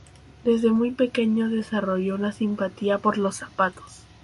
Desde muy pequeño desarrolló una simpatía por los zapatos.